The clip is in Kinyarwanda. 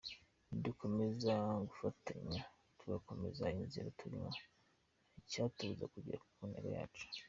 Nidukomeza gufatanya, tugakomeza inzira turimo, ntacyatubuza kugera ku ntego yacu.